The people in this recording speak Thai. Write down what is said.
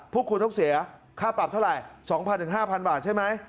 พวกคุณต้องเสียค่าปรับเท่าไหร่๒๐๐๕๐๐บาทใช่ไหม